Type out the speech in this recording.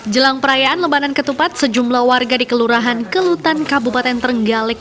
jelang perayaan lembanan ketupat sejumlah warga di kelurahan kelutan kabupaten trenggalek